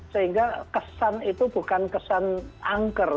sehingga kesan itu bukan kesan angker